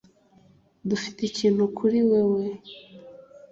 Dufite ikintu kuri wewe